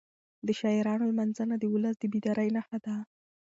د شاعرانو لمانځنه د ولس د بیدارۍ نښه ده.